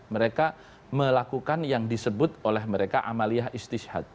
mereka melakukan yang disebut oleh mereka amaliyah istishad